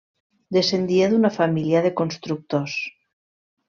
Descendia d'una família de constructors.